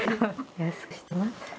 安くしてます。